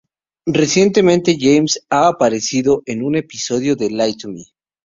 Recientemente James ha aparecido en un episodio de "Lie to Me".